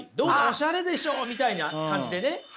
オシャレでしょう？みたいな感じでね。